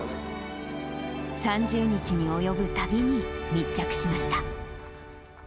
３０日に及ぶ旅に密着しました。